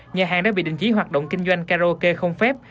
nhà hàng đã bị định chí hoạt động kinh doanh karaoke không phép